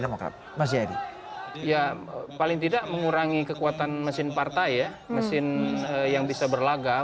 demokrat mas jadi ya paling tidak mengurangi kekuatan mesin partai mesin yang bisa berlagak